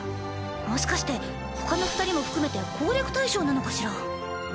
もしかしてほかの二人も含めて攻略対象なのかしら？